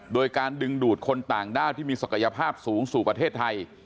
โดยการดึงดูดคนต่างด้าวที่มีศักยภาพสูงสู่ประเทศไทย